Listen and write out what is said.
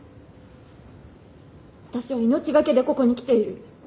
私は命懸けでここに来ている。